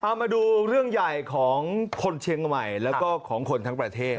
เอามาดูเรื่องใหญ่ของคนเชียงใหม่แล้วก็ของคนทั้งประเทศ